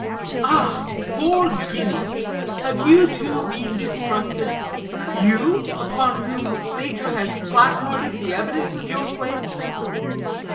"Ah, poor Guinea! have you, too, been distrusted? you, upon whom nature has placarded the evidence of your claims?"